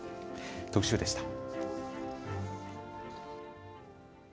特集でした。